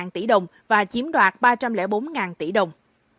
năm trăm bốn mươi năm tỷ đồng và chiếm đoạt ba trăm linh bốn tỷ đồng